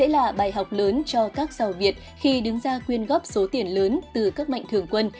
lớn cho các sao việt khi đứng ra quyên góp số tiền lớn từ các mạnh thường quân